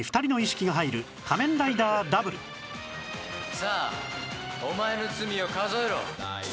さあお前の罪を数えろ！